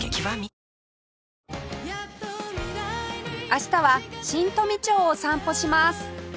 明日は新富町を散歩します